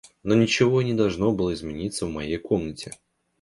Но ничего и не должно было измениться в моей комнате.